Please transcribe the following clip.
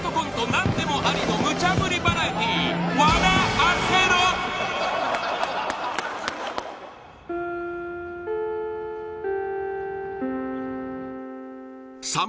何でもありのムチャぶりバラエティさん